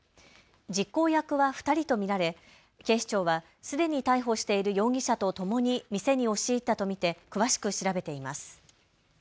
実行役は２人と見られ、警視庁はすでに逮捕している容疑者とともに店に押し入ったと見て詳しく調べています。